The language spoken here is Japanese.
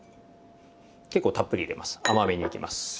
結構たっぷり入れます。